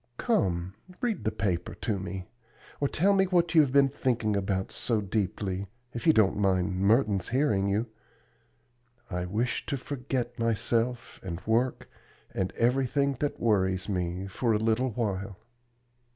Come, read the paper to me, or tell me what you have been thinking about so deeply, if you don't mind Merton's hearing you. I wish to forget myself, and work, and everything that worries me, for a little while."